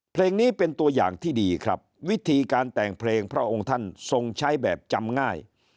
เพลงนี้เป็นตัวอย่างที่ดีครับวิธีการแต่งเพลงพระองค์ท่านทรงใช้แบบจำง่าย